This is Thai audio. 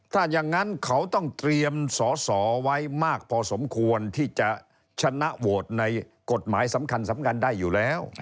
ถ้าอย่างนั้นเขาต้องเตรียมสอสอไว้มากพอสมควรที่จะชนะโหวตในกฎหมายสำคัญได้อยู่แล้ว